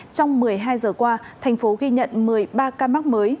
trong một mươi hai giờ qua thành phố ghi nhận một mươi ba ca mắc mới